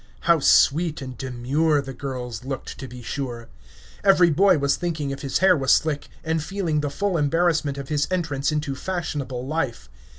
How sweet and demure the girls looked, to be sure! Every boy was thinking if his hair was slick, and feeling the full embarrassment of his entrance into fashionable life.